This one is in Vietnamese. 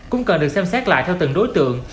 cũng cần được xem xét lại theo từng đối tượng